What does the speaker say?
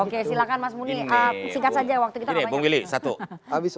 oke silahkan mas muni singkat saja waktu kita berapa ya